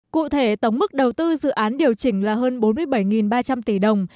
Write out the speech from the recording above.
cụ thể tổng mức đầu tư dự án điều chỉnh là hơn bốn mươi bảy ba trăm linh tỷ đồng